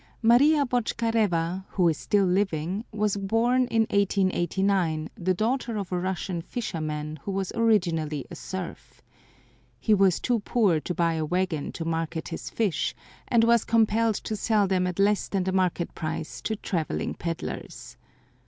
Maria Botchkareva, who is still living, was born in 1889, the daughter of a Russian fisherman, who was originally a serf. He was too poor to buy a wagon to market his fish, and was compelled to sell them at less than the market price to traveling pedlers.